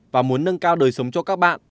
và muốn nâng cao đời sống cho các bạn